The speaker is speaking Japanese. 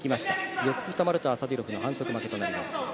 ４つたまるとアサディロフの反則負けとなります。